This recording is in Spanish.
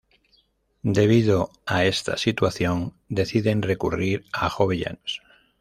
Debido a esta situación, deciden recurrir a Jovellanos.